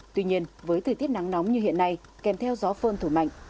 tuy nhiên với thời tiết nắng nóng như hiện nay kèm theo gió phơn thổi mạnh